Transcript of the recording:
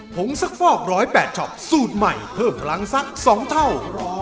งสักฟอก๑๐๘ช็อปสูตรใหม่เพิ่มพลังสัก๒เท่า